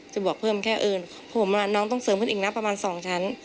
จะบอกเพิ่มแค่เอิญผมน้องต้องเสริมขึ้นอีกนะประมาณ๒ชั้น